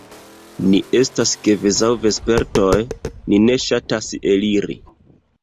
Ni estas kvazaŭ vespertoj: ni ne ŝatas eliri.